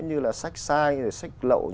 như là sách sai sách lậu